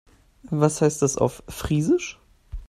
Was heißt das auf Friesisch?